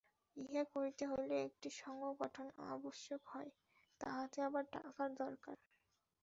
ইহা করিতে হইলে একটি সঙ্ঘ গঠনের আবশ্যক হয়, তাহাতে আবার টাকার দরকার।